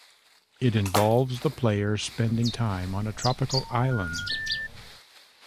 It involves the player spending time on a tropical island.